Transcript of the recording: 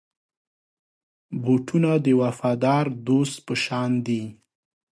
بوټونه د وفادار دوست په شان دي.